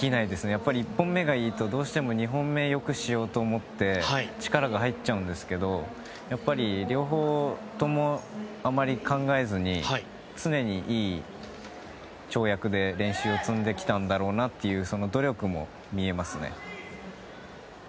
やっぱり１本目がいいとどうしても２本目を良くしようと思って力が入っちゃうんですけどやっぱり両方ともあまり考えずに常にいい跳躍で練習を積んできたんだろうなというその努力も見えますね。